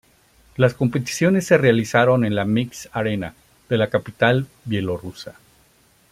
Las competiciones se realizaron en la Minsk Arena de la capital bielorrusa.